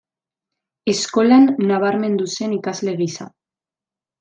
Eskolan nabarmendu zen ikasle gisa.